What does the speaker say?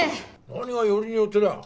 何がよりによってだ。